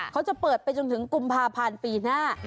เขาจะเปิดไปจนถึงกุมภาพันธ์ปีหน้า